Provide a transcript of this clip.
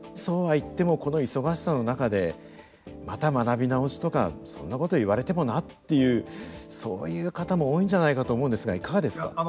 そうは言ってもこの忙しさの中でまた学び直しとかそんなこと言われてもなっていうそういう方も多いんじゃないかと思うんですがいかがですか。